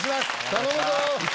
頼むぞ。